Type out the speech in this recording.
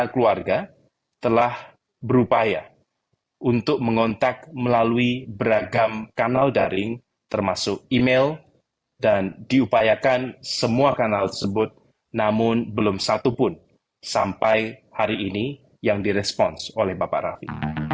karena keluarga telah berupaya untuk mengontak melalui beragam kanal daring termasuk email dan diupayakan semua kanal tersebut namun belum satu pun sampai hari ini yang diresponse oleh bapak rafi